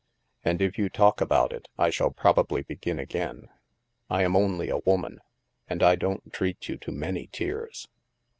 "And if you talk about it, I shall probably begin again. I am only a woman; and I don't treat you to many tears."